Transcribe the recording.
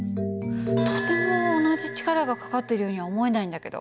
とても同じ力がかかっているようには思えないんだけど。